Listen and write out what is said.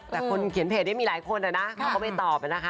แต่คนเขียนเพจนี่มีหลายคนเขาก็ไปตอบ